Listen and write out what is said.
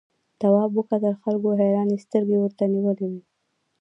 تواب وکتل خلکو حیرانې سترګې ورته نیولې وې.